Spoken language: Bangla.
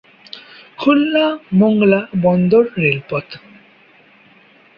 খুলনা-মোংলা বন্দর রেলপথ